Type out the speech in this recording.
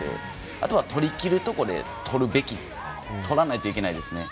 あとは、取りきるところで取るべき取らないといけないですね。